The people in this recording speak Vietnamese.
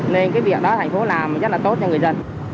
nên cái việc đó thành phố làm rất là tốt cho người dân